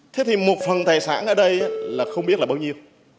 thế thì một phần tài sản ở đây là không biết là bao nhiêu